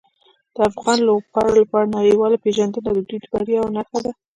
د افغان لوبغاړو لپاره نړیواله پیژندنه د دوی د بریاوو نښه ده.